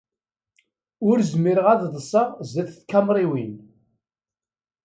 Ur zmireɣ ad ḍseɣ sdat tkamriwin.